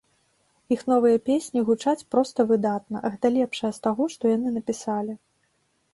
Іх новыя песні гучаць проста выдатна, гэта лепшае з таго, што яны напісалі.